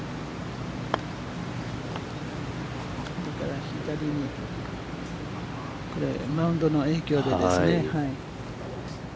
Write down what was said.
ここから左に、マウンドの影響でですね。